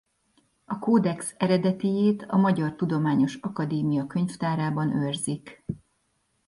A kódex eredetijét a Magyar Tudományos Akadémia Könyvtárában őrzik.